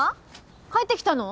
帰ってきたの？